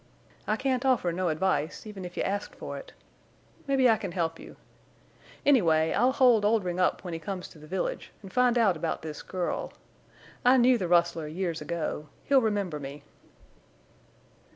I can't offer no advice, even if you asked for it. Mebbe I can help you. Anyway, I'll hold Oldrin' up when he comes to the village an' find out about this girl. I knew the rustler years ago. He'll remember me."